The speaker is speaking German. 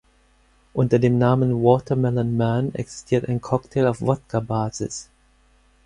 Unter dem Namen Watermelon Man existiert ein Cocktail auf Wodka-Basis.